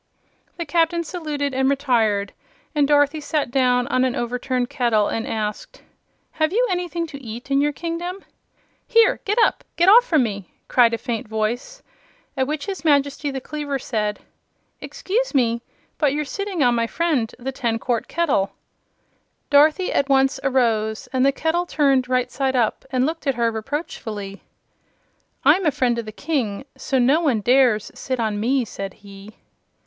The Captain saluted and retired and Dorothy sat down on an overturned kettle and asked: "Have you anything to eat in your kingdom?" "Here! Get up! Get off from me!" cried a faint voice, at which his Majesty the cleaver said: "Excuse me, but you're sitting on my friend the Ten quart Kettle." Dorothy at once arose, and the kettle turned right side up and looked at her reproachfully. "I'm a friend of the King, so no one dares sit on me," said he.